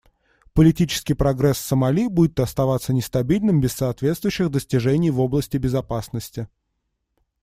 Политический прогресс в Сомали будет оставаться нестабильным без соответствующих достижений в области безопасности.